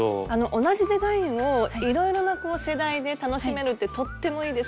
同じデザインをいろいろな世代で楽しめるってとってもいいですね。